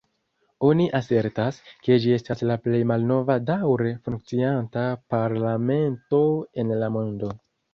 Oni asertas, ke ĝi estas la plej malnova daŭre funkcianta parlamento en la mondo.